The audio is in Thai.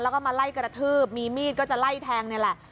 แล้วก็มาไล่กระทืบมีมีดก็จะไล่แทงนี่แหละ